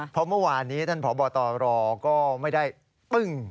เพราะเมื่อวานนี้ท่านพบตรก็ไม่ได้ปึ้ง